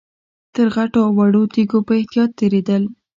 تر غټو او وړو تيږو په احتياط تېرېدل.